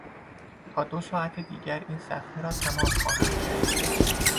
تا دو ساعت دیگر این صفحه را تمام خواهم کرد.